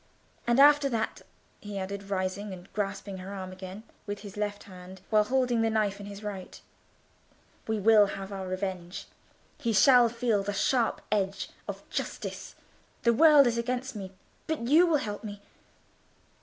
And, after that," he added, rising and grasping her arm again with his left hand, while he held the knife in his right; "we will have our revenge. He shall feel the sharp edge of justice. The world is against me, but you will help me."